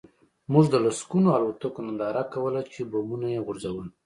موږ د لسګونو الوتکو ننداره کوله چې بمونه یې غورځول